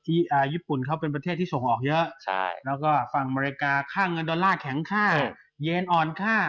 ญี่ปุ่นเขาเป็นประเทศที่ส่งออกเยอะแล้วก็ฝั่งอเมริกาค่าเงินดอลลาร์แข็งค่าเย็นอ่อนค่า